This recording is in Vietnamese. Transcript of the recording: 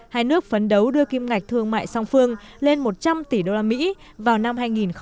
hai nước phấn đấu đưa kim ngạch thương mại song phương lên một trăm linh tỷ đô la mỹ vào năm hai nghìn hai mươi